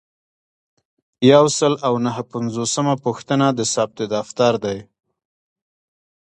یو سل او نهه پنځوسمه پوښتنه د ثبت دفتر دی.